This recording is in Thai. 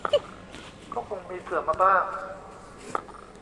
ก็คงมีเผื่อมาบ้าง